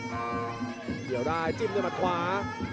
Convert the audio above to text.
เกี่ยวได้จิ้มด้วยมัดขวา